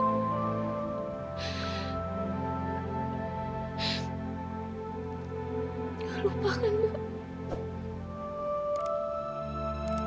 jangan lupakan dok